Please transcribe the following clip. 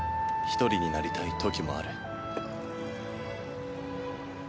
一人になりたい時もある。